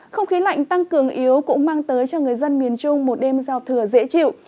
không khí lạnh tăng cường yếu cũng mang tới cho người dân miền trung một đêm giao thừa dễ chịu